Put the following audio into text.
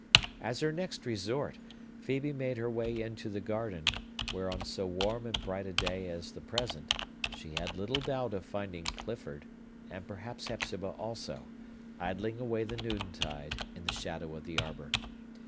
As her next resort, Phœbe made her way into the garden, where on so warm and bright a day as the present, she had little doubt of finding Clifford, and perhaps Hepzibah also, idling away the noontide in the shadow of the arbor.